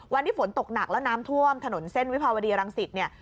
วันนี้ฝนตกหนักแล้วน้ำท่วมถนนเส้นวิภาวดีรังสิตเนี่ย